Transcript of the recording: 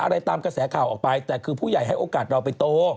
อะไรตามกระแสข่าวออกไปแต่คือผู้ใหญ่ให้โอกาสเราไปโต